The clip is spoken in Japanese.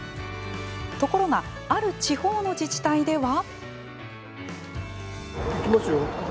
ところがある地方の自治体では。